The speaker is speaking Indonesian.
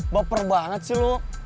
baper banget sih lu